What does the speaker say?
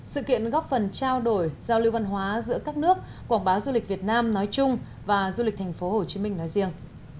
sự kiện góp phần trao đổi giao lưu văn hóa giữa các nước quảng bá du lịch việt nam nói chung và du lịch tp hcm nói riêng